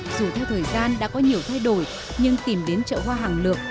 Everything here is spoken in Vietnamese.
dù theo thời gian đã có nhiều thay đổi nhưng tìm đến chợ hoa hàng lượm